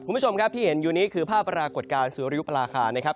คุณผู้ชมครับที่เห็นอยู่นี้คือภาพปรากฏการณ์สุริยุปราคานะครับ